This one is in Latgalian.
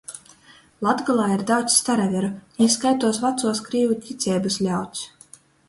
Latgolā ir daudz staraveru — jī skaituos vacuos krīvu ticeibys ļauds.